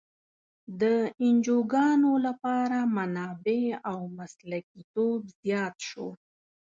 د انجوګانو لپاره منابع او مسلکیتوب زیات شو.